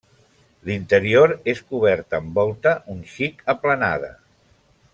L'interior és cobert amb volta un xic aplanada.